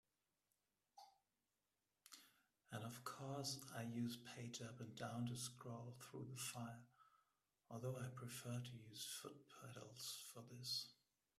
And of course I use page up and down to scroll through the file, although I prefer to use foot pedals for this.